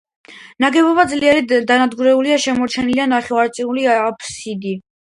ნაგებობა ძლიერ დანგრეულია, შემორჩენილია ნახევარწრიული აფსიდი.